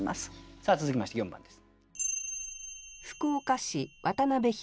さあ続きまして４番です。